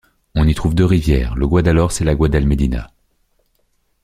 On y trouve deux rivières, le Guadalhorce et la Guadalmedina.